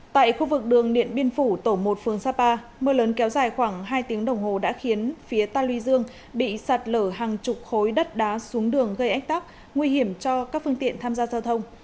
tại khu vực đường điện biên phủ tổ một phương sapa mưa lớn kéo dài khoảng hai tiếng đồng hồ đã khiến phía ta luy dương bị sạt lở hàng chục khối đất đá xuống đường gây ách tắc nguy hiểm cho các phương tiện tham gia giao thông